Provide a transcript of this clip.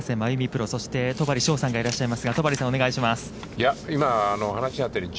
プロ、そして戸張捷さんがいらっしゃいますが、戸張さんお願いします。